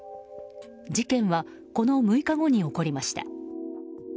事件はこの６日後に起こりました。